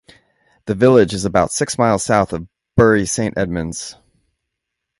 The village is about six miles south of Bury Saint Edmunds.